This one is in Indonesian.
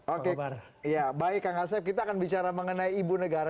oke ya baik kang asep kita akan bicara mengenai ibu negara